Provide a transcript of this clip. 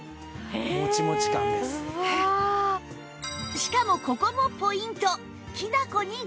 しかもここもポイント